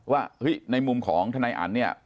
ว่าในมุมของทนายอ่านเนี่ย